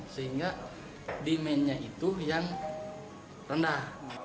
sehingga demand nya itu yang rendah